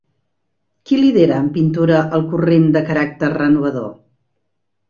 Qui lidera en pintura el corrent de caràcter renovador?